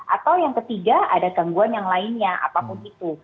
atau yang ketiga ada gangguan yang lainnya apapun itu